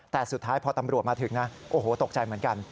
แต่สุดท้ายพอตำรวจมาถึงนะโอ้โหตกใจเหมือนกัน